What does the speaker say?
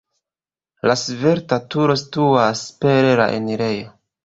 La svelta turo situas super la enirejo.